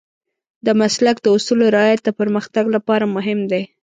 د مسلک د اصولو رعایت د پرمختګ لپاره مهم دی.